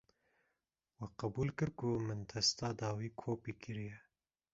Wê qebûl kir ku min testa dawî kopî kiriye.